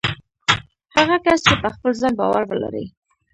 هغه کس چې په خپل ځان باور ولري